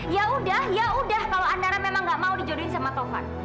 ya udah ya udah kalau andara memang gak mau dijodohin sama tovan